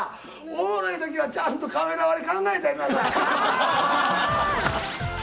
「おもろいときはちゃんとカメラ割り考えてやりなさい」